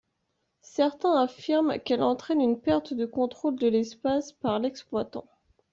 Certains affirment qu'elle entraîne une perte de contrôle de l'espace par l'exploitant.